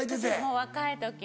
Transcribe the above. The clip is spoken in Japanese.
若い時に。